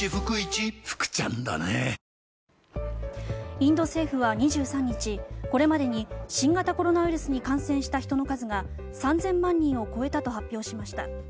インド政府は２３日これまでに新型コロナウイルスに感染した人の数が３０００万人を超えたと発表しました。